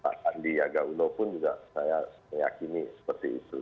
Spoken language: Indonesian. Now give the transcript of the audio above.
pak sandiaga uno pun juga saya meyakini seperti itu